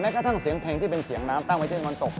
กระทั่งเสียงเพลงที่เป็นเสียงน้ำตั้งประเทศตะวันตก